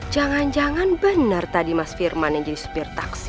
jangan jangan benar tadi mas firman yang jadi supir taksi